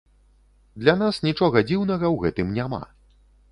Для нас нічога дзіўнага ў гэтым няма.